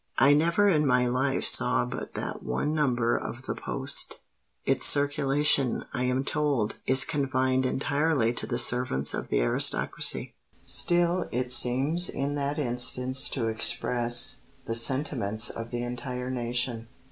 ' I never in my life saw but that one number of the Post: its circulation, I am told, is confined entirely to the servants of the aristocracy; still it seems in that instance to express the sentiments of the entire nation.